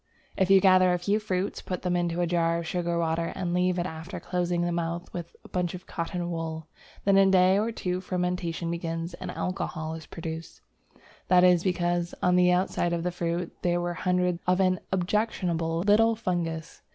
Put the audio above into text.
If you gather a few fruits, put them into a jar of sugar water, and leave it after closing the mouth with a bunch of cotton wool, then in a day or two fermentation begins and alcohol is produced. That is because, on the outside of the fruit, there were hundreds of an objectionable little fungus.